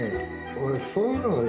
俺そういうのをね